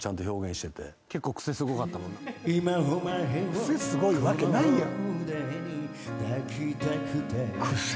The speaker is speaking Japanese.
クセすごいわけないやん。